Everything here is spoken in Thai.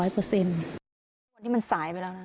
มันสายไปแล้วนะ